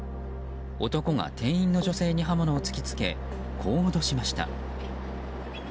男が店員の女性に刃物を突き付けこう脅しました。